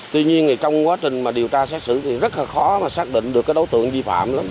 tuy nhiên trong quá trình điều tra xét xử rất khó xác định được đối tượng vi phạm lắm